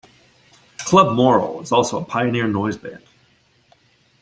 Club Moral is also a pioneer noise band.